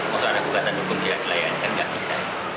kalau ada ugatan hukum dia dilayani kan nggak bisa